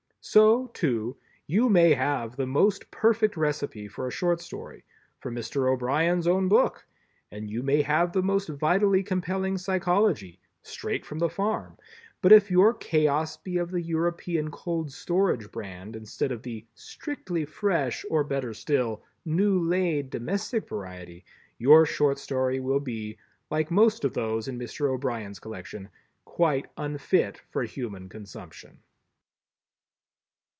So, too, you may have the most perfect recipe for a short story—from Mr. O'Brien's own book—and you may have the most vitally compelling Psychology—straight from the farm—but if your Chaos be of the European cold storage brand instead of the "strictly fresh," or, better still, "new laid" domestic variety, your Short Story will be—like most of those in Mr. O'Brien's collection—quite unfit for human consumption.